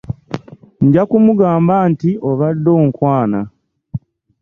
Nja kumugamba nti obadde onkwana.